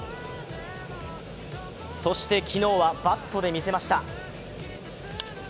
そして昨日はバットでみせました。